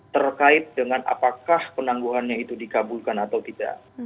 terkait dengan apakah penangguhannya itu dikabulkan atau tidak